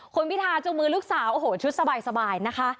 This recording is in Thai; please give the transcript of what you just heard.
คุณพิทาจุงมือลูกสาวชุดสบายนะคะ